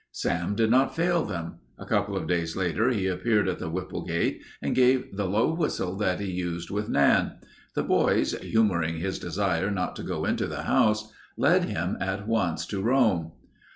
Sam did not fail them. A couple of days later he appeared at the Whipple gate and gave the low whistle that he used with Nan. The boys, humoring his desire not to go into the house, led him at once to Rome.